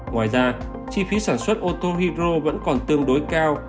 ngoài ra chi phí sản xuất ô tô hybro vẫn còn tương đối cao